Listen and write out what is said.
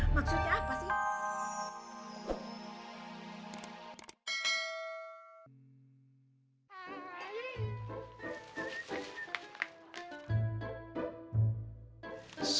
maksudnya apa sih